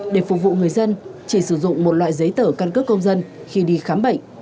để phục vụ người dân chỉ sử dụng một loại giấy tờ căn cước công dân khi đi khám bệnh